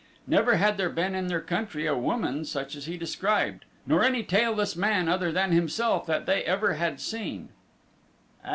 Never had there been in their country a woman such as he described, nor any tailless man other than himself that they ever had seen.